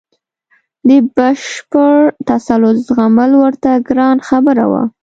د بشپړ تسلط زغمل ورته ګرانه خبره وه.